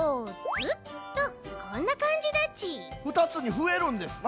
ふたつにふえるんですな。